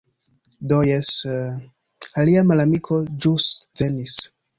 Do jes... alia malamiko ĵus venis.